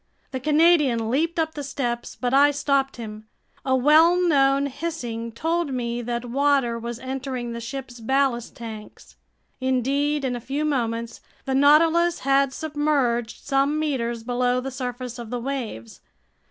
The Canadian leaped up the steps, but I stopped him. A well known hissing told me that water was entering the ship's ballast tanks. Indeed, in a few moments the Nautilus had submerged some meters below the surface of the waves.